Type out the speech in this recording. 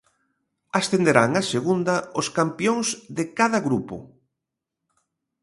Ascenderán a segunda os campións de cada grupo.